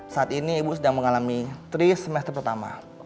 saat ini ibu sedang mengalami tri semester pertama